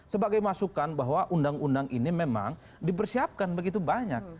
sebagai masukan bahwa undang undang ini memang dipersiapkan begitu banyak